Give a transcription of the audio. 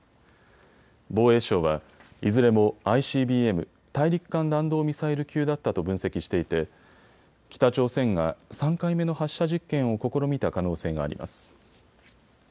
防衛省はいずれもＩＣＢＭ・大陸間弾道ミサイル級だったと分析していて北朝鮮が３回目の発射実験を試みた可能性があります。